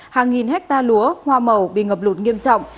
hàng nghìn hectare lúa hoa màu bị ngập lụt nghiêm trọng